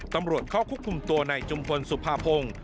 ตำรวจเข้าคุกคุมตัวในจุมพลสุภาพง